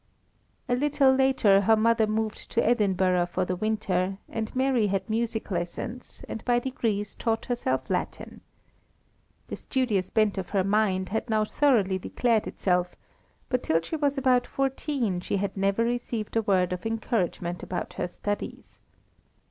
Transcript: A little later her mother moved into Edinburgh for the winter, and Mary had music lessons, and by degrees taught herself Latin. The studious bent of her mind had now thoroughly declared itself; but till she was about fourteen she had never received a word of encouragement about her studies.